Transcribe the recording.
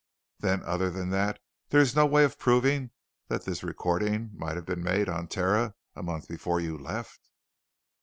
"Then other than that there is no way of proving that this recording might have been made on terra a month before you left?"